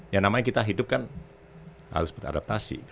yang namanya kita hidup kan harus beradaptasi